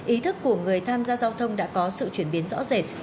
ý thức của người tham gia giao thông đã có sự chuyển biến rõ rệt